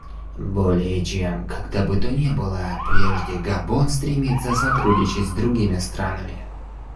Более чем когда бы то ни было прежде Габон стремится сотрудничать с другими странами.